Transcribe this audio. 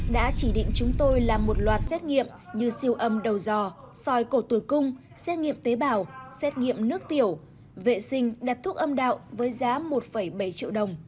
đã chỉ định chúng tôi làm một loạt xét nghiệm như siêu âm đầu giòi cổ tử cung xét nghiệm tế bào xét nghiệm nước tiểu vệ sinh đặt thuốc âm đạo với giá một bảy triệu đồng